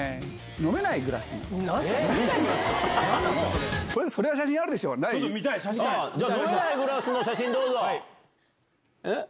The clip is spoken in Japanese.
飲めないグラスの写真、どうぞ。